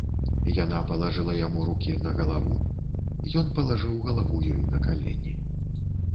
Яна палажыла яму рукі на галаву, ён палажыў галаву ёй на калені.